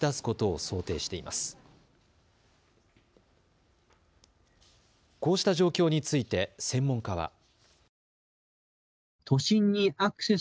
こうした状況について専門家は。